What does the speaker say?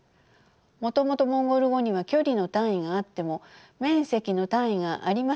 もともとモンゴル語には距離の単位があっても面積の単位がありませんでした。